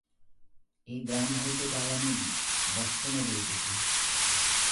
এই গ্রাম হইতে কাল আমি বষ্টনে যাইতেছি।